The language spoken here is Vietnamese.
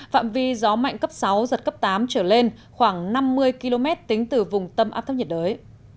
phạm vi gió mạnh cấp sáu giật cấp tám trở lên khoảng năm mươi km tính từ vùng tâm áp thấp nhiệt đới